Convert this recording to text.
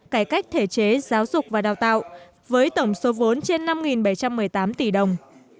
cải cách thể chế giáo dục và đào tạo với tổng số vốn trên năm bảy trăm một mươi tám tỷ đồng